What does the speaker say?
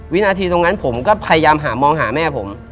วินาทีตรงนั้นผมก็พยายามหามองหาแม่ผม